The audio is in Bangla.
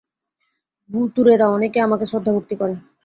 ভূতুড়েরা অনেকে আমাকে শ্রদ্ধাভক্তি করে।